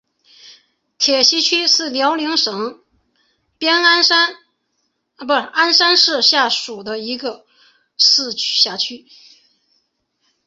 铁西区是辽宁省鞍山市下辖的一个市辖区。